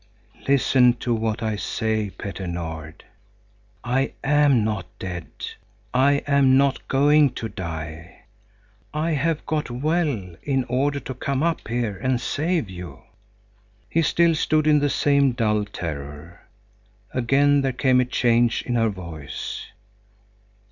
"Listen to what I say, Petter Nord. I am not dead. I am not going to die. I have got well in order to come up here and save you." He still stood in the same dull terror. Again there came a change in her voice.